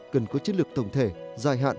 cần có chất lượng thổng thể dài hạn